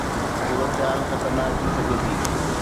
صورتحال خطرناڪ ٿي سگهي ٿي